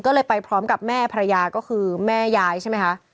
ก็เลยไปพร้อมกับแม่ภรรยาก็คือแม่ยายใช่ไหมคะ